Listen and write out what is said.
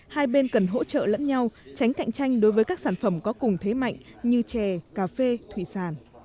hai bên cần hỗ trợ lẫn nhau tránh cạnh tranh đối với các sản phẩm có cùng thế mạnh như chè cà phê thủy sản